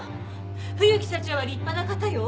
冬木社長は立派な方よ。